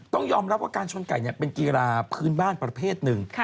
ต้องยอมรับว่าการชนไก่เป็นกีฬาพื้นบ้านประเภทหนึ่ง